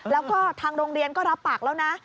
แล้วก็ทางโรงเรียนก็รับปากแล้วนะ